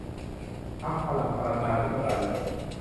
พรรคพลังประชาธิปไตย